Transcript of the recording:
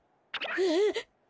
えっ！？